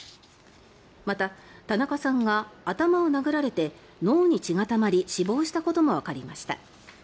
また、田中さんが頭を殴られて脳に血がたまり死亡したこともわかりました。